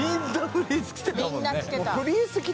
フリース着